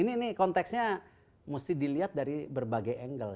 ini konteksnya mesti dilihat dari berbagai angle